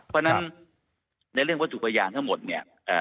เพราะฉะนั้นในเรื่องวัตถุพยานทั้งหมดเนี่ย